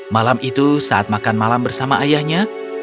malam itu saat makan malam bersama ayahnya